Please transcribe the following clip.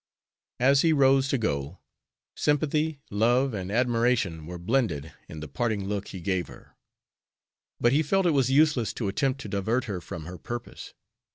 As he rose to go, sympathy, love, and admiration were blended in the parting look he gave her; but he felt it was useless to attempt to divert her from her purpose.